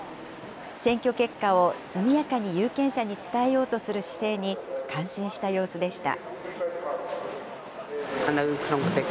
選挙結果を速やかに有権者に伝えようとする姿勢に、感心した様子でした。